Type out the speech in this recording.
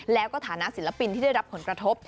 แล้วก็ฐานะศิลปินที่ได้รับผลกระทบ